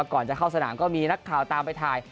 ก่อนจะเข้าสนามก็มีนักข่าวตามไปถ่าย